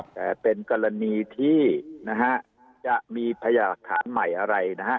แต่เป็นกรณีที่นะฮะจะมีพยาหลักฐานใหม่อะไรนะฮะ